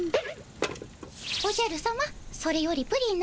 おじゃるさまそれよりプリンのことを。